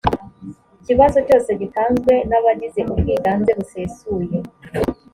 kibazo cyose gitanzwe n abagize ubwiganze busesuye